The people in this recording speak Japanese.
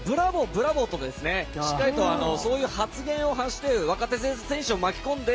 ブラボー！としっかりとそういう発言を発して若手選手を巻き込んで